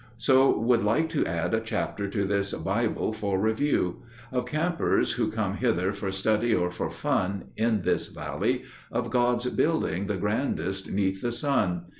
So would like to add a chapter to this bible for review Of campers who come hither for study or for fun In this Valley—of God's building the grandest 'neath the sun.